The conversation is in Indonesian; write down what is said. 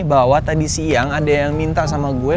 bahwa tadi siang ada yang minta sama gue